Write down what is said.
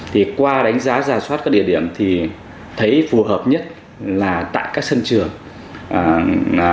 thì qua đánh giá giả soát các địa điểm thì thấy phù hợp nhất là tại các sân trường